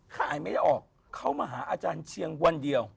ขายไม่ได้ออกเขามาหาอาจารย์เชียงวันเดียว